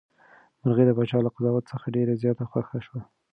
مرغۍ د پاچا له قضاوت څخه ډېره زیاته خوښه شوه.